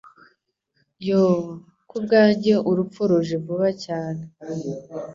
Yoo kubwanjye urupfu ruje vuba cyane